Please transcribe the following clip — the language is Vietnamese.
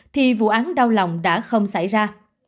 thì vụ án đau lòng đã không xảy ra